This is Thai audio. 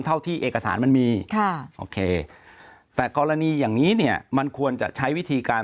เท่าที่เอกสารมันมีโอเคแต่กรณีอย่างนี้เนี่ยมันควรจะใช้วิธีการ